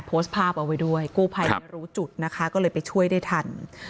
โพสต์ภาพเอาไว้ด้วยกู้ภัยไม่รู้จุดนะคะก็เลยไปช่วยได้ทัน